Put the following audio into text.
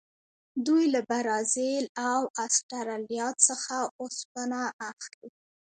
دوی له برازیل او اسټرالیا څخه اوسپنه اخلي.